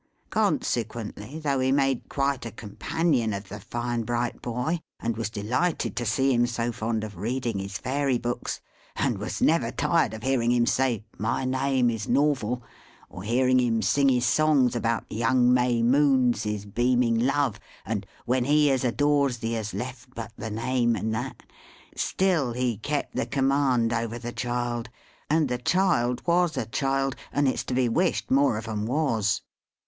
Consequently, though he made quite a companion of the fine bright boy, and was delighted to see him so fond of reading his fairy books, and was never tired of hearing him say my name is Norval, or hearing him sing his songs about Young May Moons is beaming love, and When he as adores thee has left but the name, and that; still he kept the command over the child, and the child was a child, and it's to be wished more of 'em was!